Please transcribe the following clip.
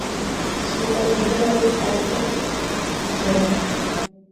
Su cabecera es Alto Higuerón.